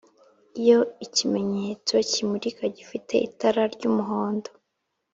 Iyo ikimenyetso kimulika gifite itara ry'umuhondo,